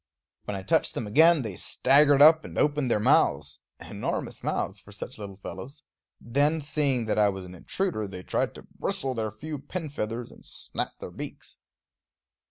When I touched them again they staggered up and opened their mouths, enormous mouths for such little fellows; then, seeing that I was an intruder, they tried to bristle their few pin feathers and snap their beaks.